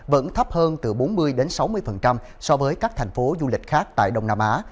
vẫn thấp hơn từ bốn mươi sáu mươi so với các thành phố du lịch khác tại đông nam á